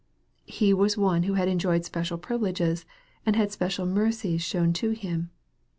He was one who had enjoyed special priv ileges, and had special mercies shown to him.